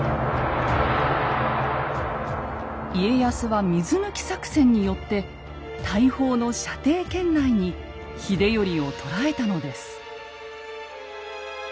家康は水抜き作戦によって大砲の射程圏内に秀頼を捉えたのです。